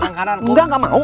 enggak enggak mau